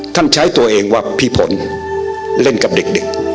ใช้ตัวเองว่าพี่ผลเล่นกับเด็ก